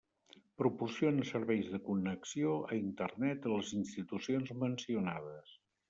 Proporciona serveis de connexió a Internet a les institucions mencionades.